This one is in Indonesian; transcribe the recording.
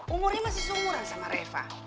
umurnya masih seumuran sama reva